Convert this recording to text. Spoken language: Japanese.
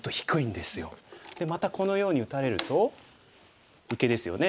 でまたこのように打たれると受けですよね。